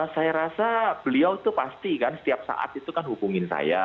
saya rasa beliau itu pasti kan setiap saat itu kan hubungin saya